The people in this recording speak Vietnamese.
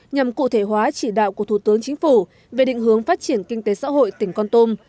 nhằm cụ thể hóa chỉ đạo của thủ tướng chính phủ về định hướng phát triển kinh tế xã hội tỉnh con tum